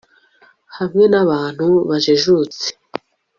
Hamwe nabantu bajijutse